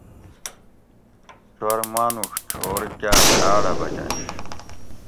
چور مانوڄ چھور کاۤ لاڑہ بچنش